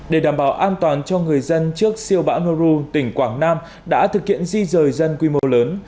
để đảm bảo an toàn cho người dân trước siêu bão noru tỉnh quảng nam đã thực hiện di rời dân quy mô lớn